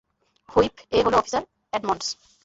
Whip, এ হলো officer Edmunds.